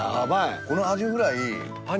このあじフライ。